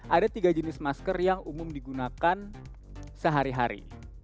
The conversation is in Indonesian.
ada tiga jenis masker yang umum digunakan sehari hari